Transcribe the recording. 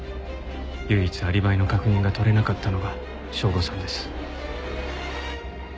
唯一アリバイの確認が取れなかったのが省吾さんです。